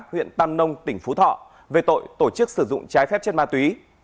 huyện tam nông tỉnh phú thọ về tội tổ chức sử dụng trái phép chất ma túy